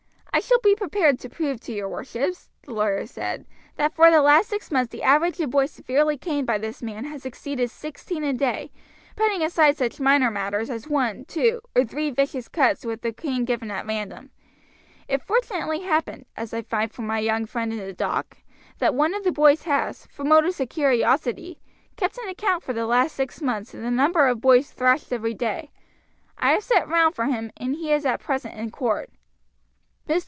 "I shall be prepared to prove to your worships," the lawyer said, "that for the last six months the average of boys severely caned by this man has exceeded sixteen a day, putting aside such minor matters as one, two, or three vicious cuts with the cane given at random. It fortunately happened, as I find from my young friend in the dock, that one of the boys has, from motives of curiosity, kept an account for the last six months of the number of boys thrashed every day. I have sent round for him, and he is at present in court." Mr.